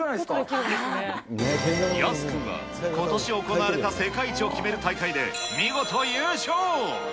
ヤス君は、ことし行われた世界一を決める大会で、見事優勝。